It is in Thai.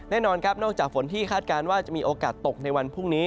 แน่นอนครับนอกจากฝนที่คาดการณ์ว่าจะมีโอกาสตกในวันพรุ่งนี้